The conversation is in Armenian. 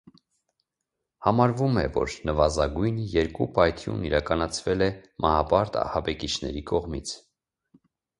Համարվում է, որ նվազագույնը երկու պայթյունն իրականացվել է մահապարտ ահաբեկիչների կողմից։